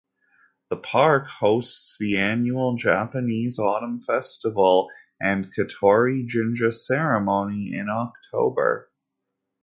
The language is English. The park hosts the annual Japanese Autumn Festival and Katori Jinja ceremony in October.